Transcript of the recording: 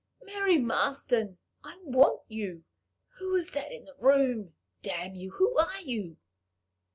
Mary Marston! I want you. Who is that in the room? Damn you! who are you?"